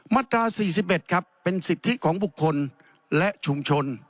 มาตรา๔๑ครับเป็นสิทธิของบุคคลและชุมชน